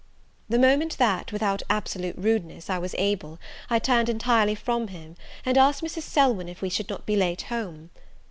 The moment that, without absolute rudeness, I was able, I turned entirely from him, and asked Mrs. Selwyn if we should not be late home?